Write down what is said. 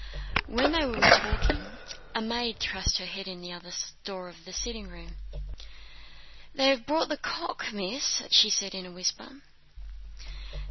While they were talking a maid thrust her head in at the other door of the sitting room. "They have brought the cock, Miss," she said in a whisper.